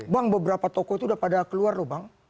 bang beberapa toko itu udah pada keluar loh bang